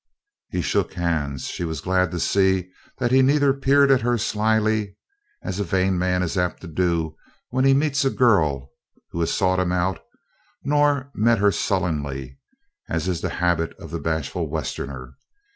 He shook hands. She was glad to see that he neither peered at her slyly as a vain man is apt to do when he meets a girl who has sought him out nor met her sullenly as is the habit of the bashful Westerner.